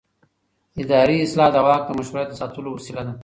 اداري اصلاح د واک د مشروعیت د ساتلو وسیله ده